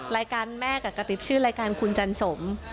รายการแม่กับกระติ๊บชื่อรายการคุณจันสม